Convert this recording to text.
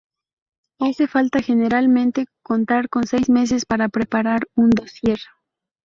Hace falta generalmente contar con seis meses para preparar un dossier.